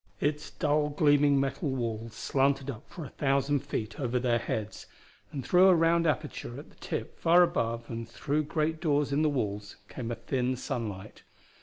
Its dull gleaming metal walls slanted up for a thousand feet over their heads, and through a round aperture at the tip far above and through great doors in the walls came a thin sunlight.